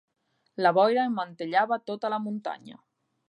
La boira emmantellava tota la muntanya.